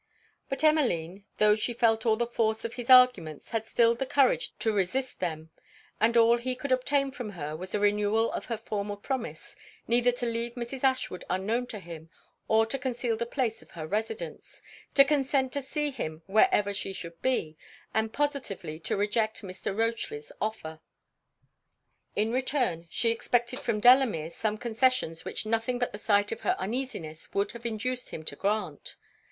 But Emmeline, though she felt all the force of his arguments, had still the courage to resist them; and all he could obtain from her was a renewal of her former promise, neither to leave Mrs. Ashwood unknown to him or to conceal the place of her residence; to consent to see him wherever she should be, and positively to reject Mr. Rochely's offer. In return, she expected from Delamere some concessions which nothing but the sight of her uneasiness would have induced him to grant.